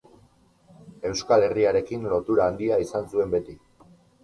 Euskal Herriarekin lotura handia izan zuen beti.